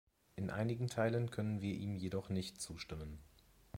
In einigen Teilen können wir ihm jedoch nicht zustimmen.